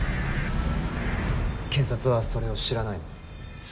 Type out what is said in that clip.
警察はそれを知らないの？